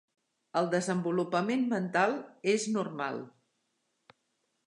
El desenvolupament mental és normal.